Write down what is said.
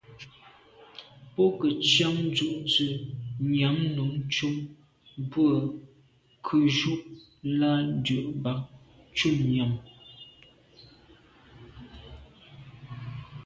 Bo ke ntsian dù’ ze nyam num ntum bwe nkebnjù l’a ndù bag ntum nyam.